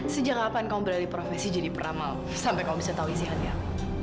sejak kapan kamu berada di profesi jadi peramal sampai kamu bisa tahu isi hati aku